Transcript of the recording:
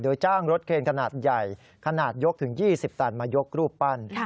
จ้างรถเคนขนาดใหญ่ขนาดยกถึง๒๐ตันมายกรูปปั้น